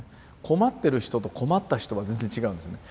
「困ってる人」と「困った人」は全然違うんですね。